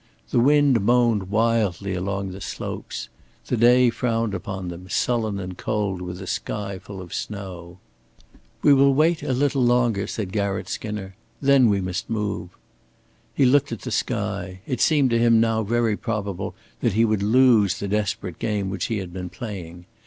The wind moaned wildly along the slopes. The day frowned upon them sullen and cold with a sky full of snow. "We will wait a little longer," said Garratt Skinner, "then we must move." He looked at the sky. It seemed to him now very probable that he would lose the desperate game which he had been playing.